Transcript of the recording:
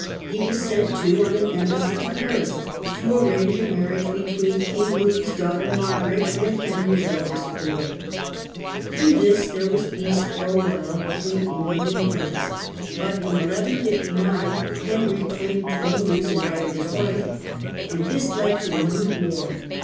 He was sent, too, on an embassy to Paris to arrange a marriage between King Louis's daughter Margaret and Henry's eldest boy. Through this there was peace for a while between England and France, but in 1 159 Henry claimed Toulouse in right of his wife, and The Toulouse this led to a new war.